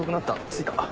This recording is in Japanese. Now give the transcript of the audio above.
着いた。